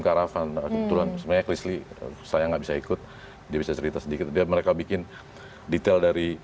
kera tail and menyes genuinely saya enggak bisa ikut bisa cerita sedikit dia mereka bikin detail